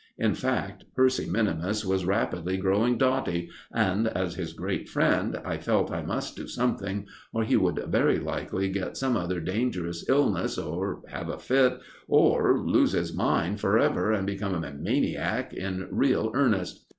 In fact, Percy minimus was rapidly growing dotty, and, as his great friend, I felt I must do something, or he would very likely get some other dangerous illness, or have a fit, or lose his mind for ever and become a maniac in real earnest.